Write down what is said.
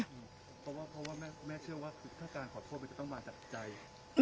เพราะว่าเพราะว่าแม่เชื่อว่าถ้าการขอโทษมันจะต้องมาจากใจ